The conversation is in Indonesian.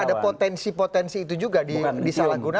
jadi ada potensi potensi itu juga disalah gunakan